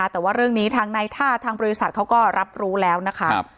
แต่ว่าเรื่องนี้ทางในท่าทางบริษัทเขาก็รับรู้แล้วนะคะ